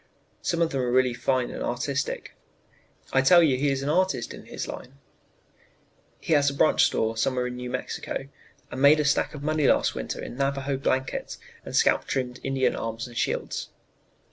Some of them are really fine and artistic. I tell you he is an artist in his line. "He has a branch store still somewhere in New Mexico, and made a stack of money last winter in Navajo blankets and scalp trimmed Indian arms and shields.